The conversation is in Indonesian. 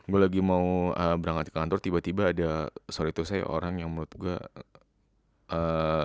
gue lagi mau berangkat ke kantor tiba tiba ada sorry itu saya orang yang menurut gue